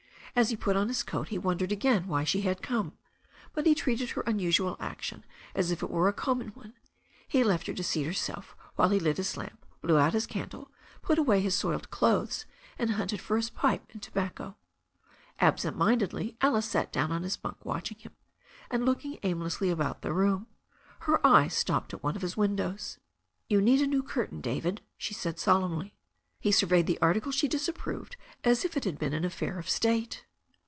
As he put on his coat he wondered again why she had come. But he treated her unusual action as if it were a common one. He left her to seat herself while he lit his lamp, blew out his candle, put away his soiled clothes, and hunted for his pipe and tobat:co. Absent mindedly Alice sat down on his bunk watching him, and looking aimlessly about the room. Her eyes stopped at one of his windows. *'You need a new curtain, David," she said solemnly. He surveyed the article she disapproved as if it had been an affair of state.